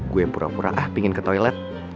gue yang pura pura ah pingin ke toilet